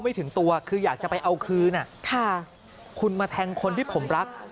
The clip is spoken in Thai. ถึงตัวคืออยากจะไปเอาคืนคุณมาแทงคนที่ผมรัก